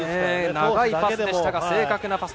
長いパスでしたが正確なパス。